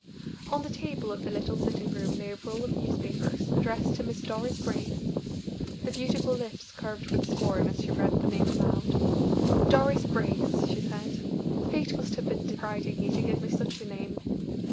On the table of the little sitting room lay a roll of newspapers, addressed to Miss Doris Brace. The beautiful lips curved with scorn as she read the name aloud. "Doris Brace!" she said. "Fate must have been deriding me to give me such a name."